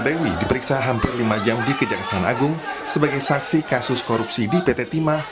dewi diperiksa hampir lima jam di kejaksaan agung sebagai saksi kasus korupsi di pt timah